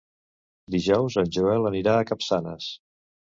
Dijous en Joel anirà a Capçanes.